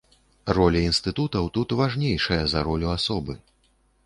Роля інстытутаў тут важнейшая за ролю асобы.